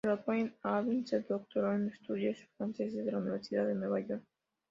Graduada en Harvard, se doctoró en Estudios Franceses en la Universidad de Nueva York.